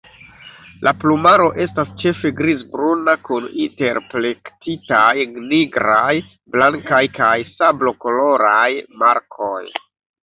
La plumaro estas ĉefe grizbruna kun interplektitaj nigraj, blankaj kaj sablokoloraj markoj.